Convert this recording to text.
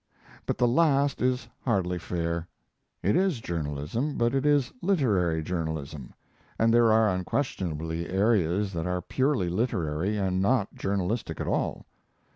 But the last is hardly fair. It is journalism, but it is literary journalism, and there are unquestionably areas that are purely literary, and not journalistic at all.